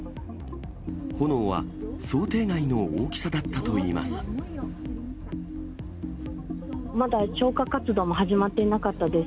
炎は想定外の大きさだったといいます。